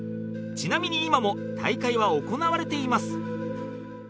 ちなみに今も大会は行われています